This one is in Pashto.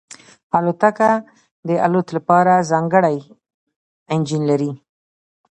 الوتکه د الوت لپاره ځانګړی انجن لري.